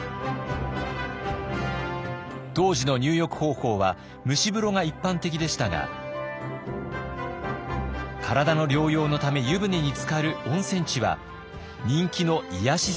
当時の入浴方法は蒸し風呂が一般的でしたが体の療養のため湯船につかる温泉地は人気の癒やし